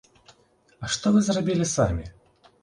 А што вы зрабілі самі?